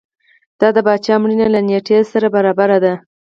دا د پاچا مړینې له نېټې سره برابره ده.